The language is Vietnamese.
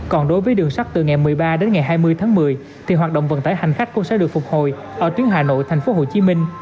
còn đối với đường sắt từ ngày một mươi ba đến ngày hai mươi tháng một mươi thì hoạt động vận tải hành khách cũng sẽ được phục hồi ở tuyến hà nội tp hcm